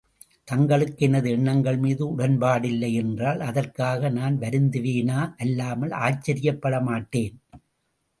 தங்களுக்கு எனது எண்ணங்கள் மீது உடன்பாடில்லை என்றால், அதற்காக நான் வருந்துவேனே அல்லாமல் ஆச்சரியப்படமாட்டேன்.